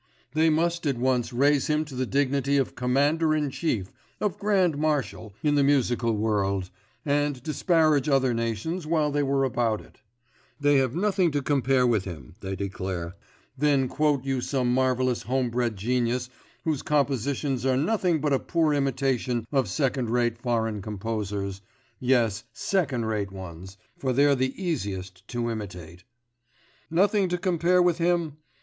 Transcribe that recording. They must at once raise him to the dignity of commander in chief, of grand marshal, in the musical world, and disparage other nations while they were about it; they have nothing to compare with him, they declare, then quote you some marvellous home bred genius whose compositions are nothing but a poor imitation of second rate foreign composers, yes, second rate ones, for they're the easiest to imitate. Nothing to compare with him?